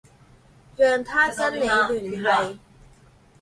讓他跟你聯繫